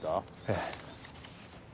ええ。